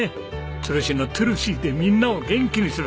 「都留市のトゥルシーでみんなを元気にする！」。